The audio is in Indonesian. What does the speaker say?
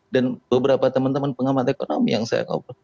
dan beberapa teman teman pengamat ekonomi yang saya ngobrol